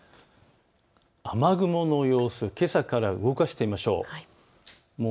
雨雲の様子、けさから動かしてみましょう。